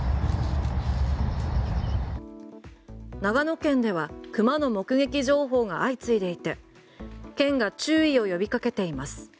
長野県では熊の目撃情報が相次いでいて県が注意を呼びかけています。